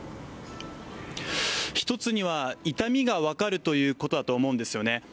一つには痛みが分かるということだと思うんですね。